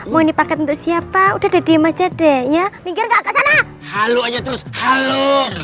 mau dipaket untuk siapa udah diima jadi ya minggir enggak kesana halo aja terus halo